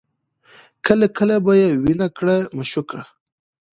کله کله به یې ویني کړه مشوکه